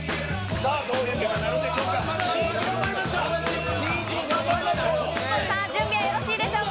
さあ、どういう結果になるんでしょうか。